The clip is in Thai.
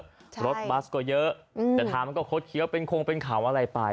รถบัสก็เยอะแต่ทางมันก็คดเคี้ยวเป็นคงเป็นเขาอะไรไป